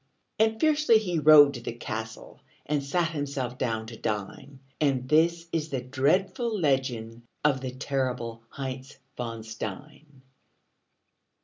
And fiercely he rode to the castle And sat himself down to dine; And this is the dreadful legend Of the terrible Heinz von Stein.